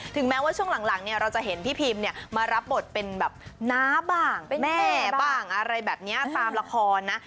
แม้ว่าช่วงหลังเนี่ยเราจะเห็นพี่พิมเนี่ยมารับบทเป็นแบบน้าบ้างเป็นแม่บ้างอะไรแบบนี้ตามละครนะ